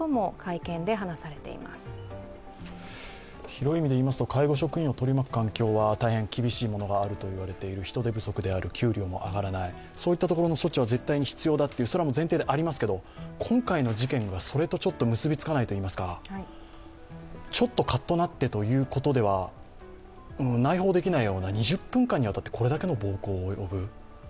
広い意味でいいますと介護職員を取り巻く環境は大変厳しいものがあると言われている人手不足である、給料も上がらない、そういったところの措置は絶対に必要だと、それは前提でありますが、今回の事件は、それとちょっと結びつかないといいますかちょっとカッとなってということでは内包できないような、２０分間にわたってこれだけの暴行に及ぶ。